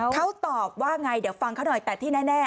เขาตอบว่าไงเดี๋ยวฟังเขาหน่อยแต่ที่แน่